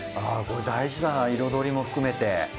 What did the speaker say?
これ大事だな彩りも含めて。